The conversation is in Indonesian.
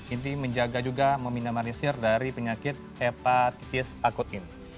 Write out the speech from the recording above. inti menjaga juga meminimalisir dari penyakit hepatitis akut ini